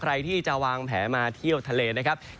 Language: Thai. ใครที่จะวางแผลมาเที่ยวทะเลนะครับ